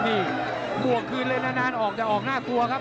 นี่บวกคืนเลยนานออกจะออกน่ากลัวครับ